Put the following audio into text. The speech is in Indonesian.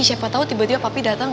siapa tau tiba tiba papi dateng